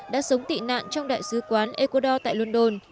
đã sống tị nạn trong đại sứ quán ecuador tại london